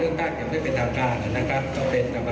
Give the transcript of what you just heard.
นะครับแบบ